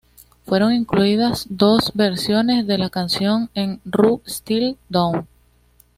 Fueron incluidas dos versiones de la canción en "R U Still Down?